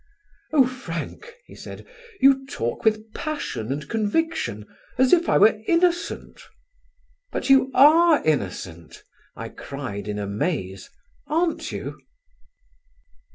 "Oh, Frank," he said, "you talk with passion and conviction, as if I were innocent." "But you are innocent," I cried in amaze, "aren't you?"